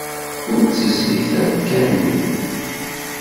Ur tezzit ara kan din.